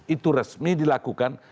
itu resmi dilakukan